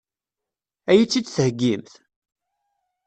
Ad iyi-tt-id-theggimt?